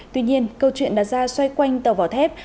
tuy nhiên câu chuyện đặt ra xoay quanh tàu vỏ thép